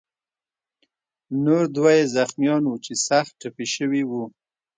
نور دوه یې زخمیان وو چې سخت ټپي شوي وو.